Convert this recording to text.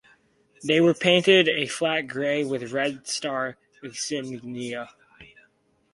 They were painted a flat gray with red star insignia.